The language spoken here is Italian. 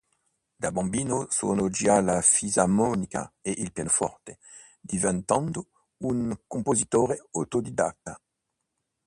Da bambino suona già la fisarmonica e il pianoforte, diventando un compositore autodidatta.